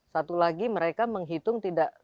satu lagi mereka menghitung tidak